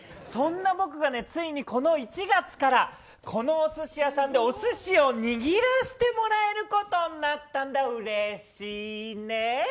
そんな僕がついにこの１月からこのお寿司屋さんでお寿司を握らせてもらえることになったんだ。